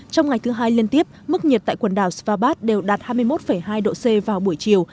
trong ngày thứ hai liên tiếp mức nhiệt tại quần đảo svabat đều đạt hai mươi một hai độ c vào buổi chiều